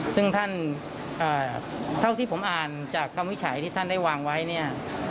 ซึ่งท่านเท่าที่ผมอ่านจากคำวิจัยที่ท่านได้วางไว้เนี่ย